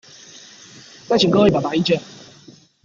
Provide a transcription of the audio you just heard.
再請各位表達意見